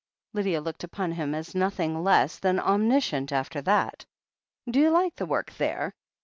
Lydia looked upon him as nothing less than omnis cient after that. "D'you like the work there